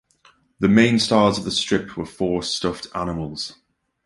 The main stars of the strip were four stuffed animals.